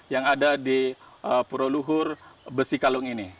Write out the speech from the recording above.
yang ada di pura luhur besi kalung ini